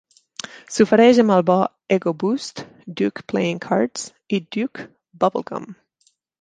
S'ofereix amb el bo "Ego Boost", Duke Playing Cards i Duke Bubblegum.